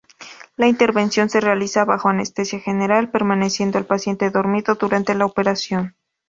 La intervención se realiza bajo anestesia general, permaneciendo el paciente dormido durante la operación.